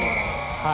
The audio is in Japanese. はい。